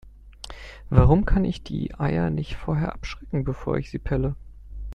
Warum kann ich die Eier nicht vorher abschrecken, bevor ich sie pelle?